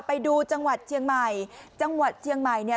ไปดูจังหวัดเชียงใหม่จังหวัดเชียงใหม่เนี่ย